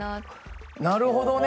なるほどね。